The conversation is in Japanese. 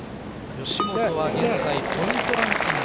吉本は現在ポイントランキング